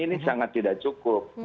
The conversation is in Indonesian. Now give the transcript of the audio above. ini sangat tidak cukup